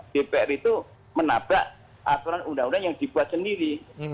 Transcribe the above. dpr itu menabrak aturan undang undang yang dibuat sendiri